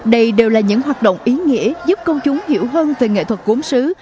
đây đều là những hoạt động ý nghĩa giúp công chúng hiểu hơn về nghệ thuật gốm xứ